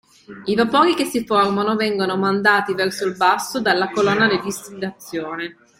I vapori che si formano vengono mandati verso il basso nella colonna di distillazione.